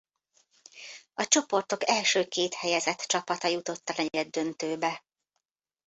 A csoportok első két helyezett csapata jutott a negyeddöntőbe.